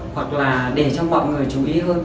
hoặc là để cho mọi người chú ý hơn